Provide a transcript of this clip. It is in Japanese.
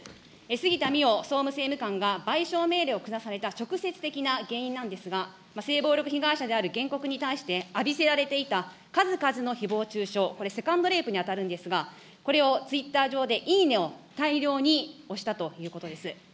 杉田水脈総務政務官が賠償命令を下された直接的な原因なんですが、性暴力被害者である原告に対して浴びせられていた数々のひぼう中傷、これ、セカンドレイプに当たるんですが、これをツイッター上でいいねを大量に押したということです。